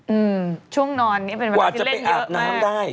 อืมช่วงนอนนี้เป็นเวลาที่เล่นเยอะประมาณได้